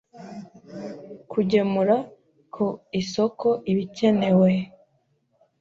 kugemura ku isoko ibikenewe